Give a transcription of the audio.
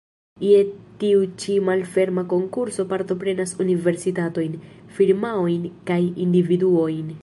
Je tiu ĉi malferma konkurso partoprenas universitatojn, firmaojn kaj individuojn.